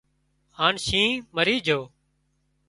هانَ شينهن مرِي جھو